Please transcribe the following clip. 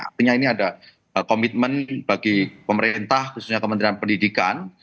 artinya ini ada komitmen bagi pemerintah khususnya kementerian pendidikan